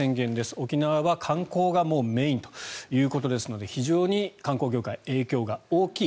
沖縄は観光がメインということですので非常に観光業界影響が大きい。